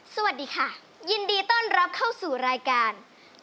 สวัสดีค่ะยินดีต้อนรับเข้าสู่รายการ